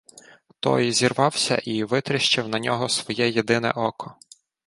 Той зірвався і витріщив на нього своє єдине око.